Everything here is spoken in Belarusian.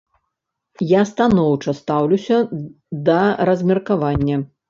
Я станоўча стаўлюся да размеркавання.